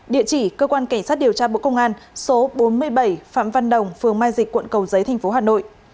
địa chỉ cơ quan cảnh sát điều tra bộ công an số bốn mươi bảy phạm văn đồng phường mai dịch quận cầu giấy tp hà nội